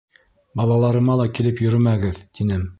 Балаларыма ла килеп йөрөмәгеҙ тинем.